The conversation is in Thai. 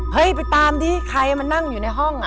ไปตามที่ใครมานั่งอยู่ในห้อง